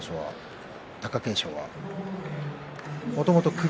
貴景勝は。